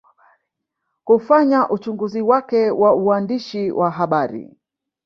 Kufanya uchunguzi wake wa uandishi wa habari